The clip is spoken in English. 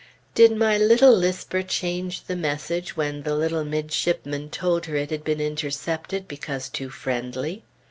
Did my little lisper change the message when the little midshipman told her it had been intercepted because too friendly?